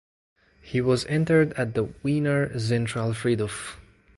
He was interred at the Wiener Zentralfriedhof.